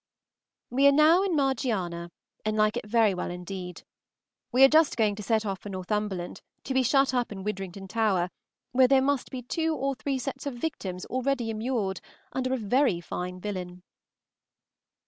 We are now in Margiana, and like it very well indeed. We are just going to set off for Northumberland to be shut up in Widdrington Tower, where there must be two or three sets of victims already immured under a very fine villain.